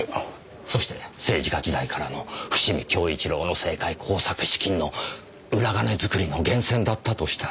そして政治家時代からの伏見亨一良の政界工作資金の裏金作りの源泉だったとしたら。